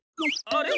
あれ？